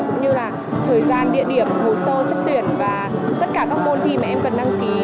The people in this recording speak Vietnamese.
cũng như là thời gian địa điểm hồ sơ sức tuyển và tất cả các môn thi mà em cần đăng ký